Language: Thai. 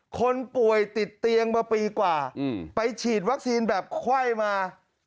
คนป่วยติดเตียงมาปีกว่าไปฉีดวัคซีนแบบไข้มา